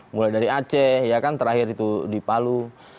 mulai dari aceh terakhir itu di palu